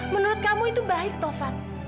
menurut kamu itu baik tovan